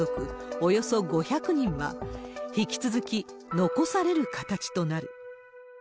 およそ５００人は、引き続き残される形となる。